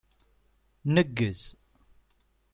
Neggez!